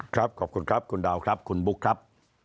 ครับขอบคุณครับคุณดาวครับคุณบุ๊คครับ